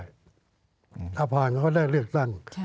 ถ้าผ่านเขาได้เลือกตั้ง